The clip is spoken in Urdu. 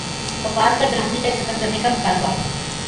کپاس پر درامدی ٹیکس ختم کرنے کا مطالبہ